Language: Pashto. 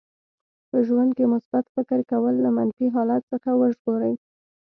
په ژوند کې مثبت فکر کول له منفي حالت څخه وژغوري.